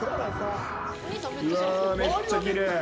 うわあ、めっちゃきれい。